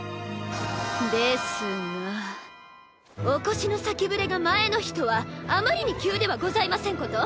で・す・がお越しの先触れが前の日とはあまりに急ではございませんこと？